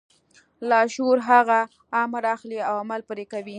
لاشعور هر هغه امر اخلي او عمل پرې کوي.